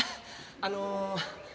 あの。